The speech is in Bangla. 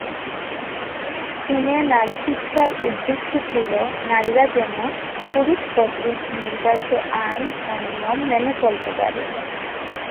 চীনে নারী শিক্ষার উদ্দেশ্য ছিল নারীরা যেন পুরুষ কর্তৃক নির্ধারিত আইন ও নিয়ম মেনে চলতে পারে।